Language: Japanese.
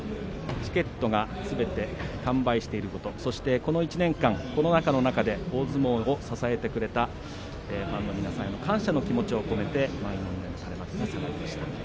チケットがすべて完売していることそしてこの１年間コロナ禍の中で大相撲を支えてくれたファンの皆さんへの感謝の気持ちを込めて満員御礼の垂れ幕が下がりました。